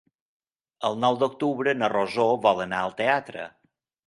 El nou d'octubre na Rosó vol anar al teatre.